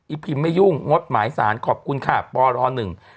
พิมไม่ยุ่งงดหมายสารขอบคุณค่ะปรหนึ่ง